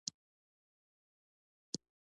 د انجن موبلاین په منفي څلوېښت درجو کې ډیر کلکیږي